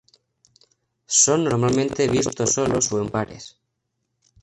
Son normalmente vistos solos o en pares.